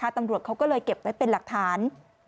ตำรวจเขาก็เลยเก็บไว้เป็นหลักฐาน